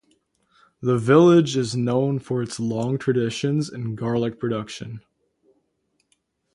The village is known for its long traditions in garlic production.